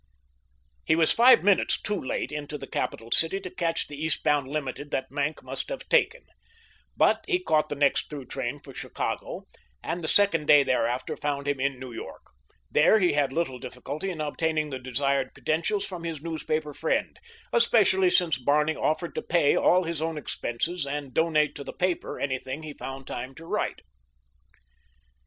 He was five minutes too late into the capital city to catch the eastbound limited that Maenck must have taken; but he caught the next through train for Chicago, and the second day thereafter found him in New York. There he had little difficulty in obtaining the desired credentials from his newspaper friend, especially since Barney offered to pay all his own expenses and donate to the paper anything he found time to write.